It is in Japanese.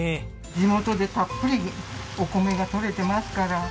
地元でたっぷりお米がとれてますから。